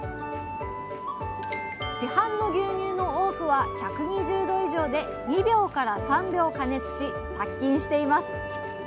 市販の牛乳の多くは１２０℃以上で２秒から３秒加熱し殺菌しています。